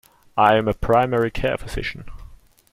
I am a primary care physician.